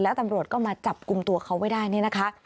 แล้วตำรวจก็มาจับกลุ่มตัวเขาไว้ได้นี่นะคะ